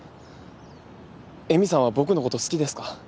恵美さんは僕のこと好きですか？